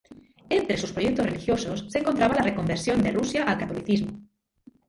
Entre sus proyectos religiosos se encontraba la reconversión de Rusia al catolicismo.